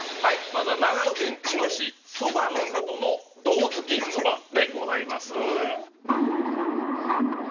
まずは長野県茅野市そばのさとのどうづきそばでございます